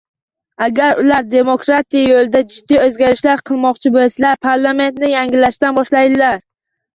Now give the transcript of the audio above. Agar ular demokratiya yo'lida jiddiy o'zgarishlar qilmoqchi bo'lsalar, parlamentni yangilashdan boshlaydilar